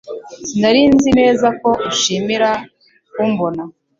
Sinari nzi neza ko uzishimira kumbona